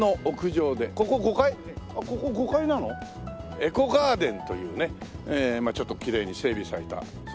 エコガーデンというねちょっときれいに整備されたすごいわあ！